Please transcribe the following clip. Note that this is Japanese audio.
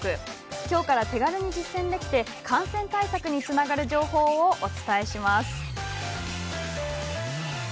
きょうから手軽に実践できて感染対策につながる情報をお伝えします。